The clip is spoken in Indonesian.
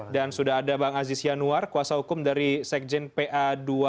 dan sudah ada bang aziz yanuar kuasa hukum dari sekjen pa dua ratus dua belas